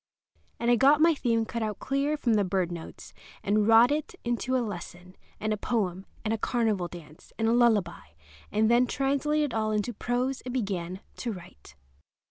And I got my theme cut out clear from the bird notes, and wrought it into a lesson, and a poem, and a carnival dance, and a lullaby; and then translated it all into prose and began to write.